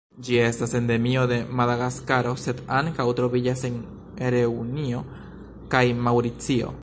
Ĝi estas endemio de Madagaskaro, sed ankaŭ troviĝas en Reunio kaj Maŭricio.